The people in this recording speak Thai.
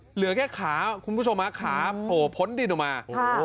เหลือแค่ขาคุณผู้ชมฮะขาโผล่พ้นดินออกมา